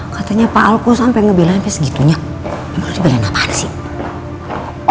katanya pak al kok sampe ngebelain sampe segitunya emang lo dibelain apaan sih